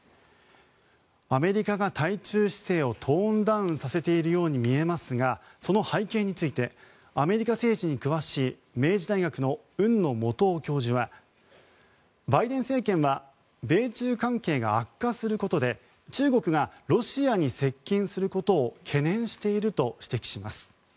アメリカが対中姿勢をトーンダウンさせているように見えますがその背景についてアメリカ政治に詳しい明治大学の海野素央教授はバイデン政権は米中関係が悪化することで中国がロシアに接近することを懸念していると指摘しています。